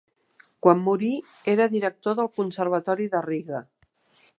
Quan morí era director del Conservatori de Riga.